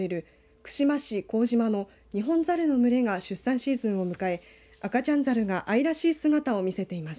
串間市幸島のニホンザルの群れが出産シーズンを迎え赤ちゃん猿がかわいらしい姿を見せています。